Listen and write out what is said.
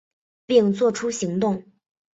并做出行动